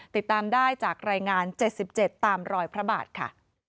ติดตามได้จากรายงาน๗๗ตามรอยพระบาทค่ะ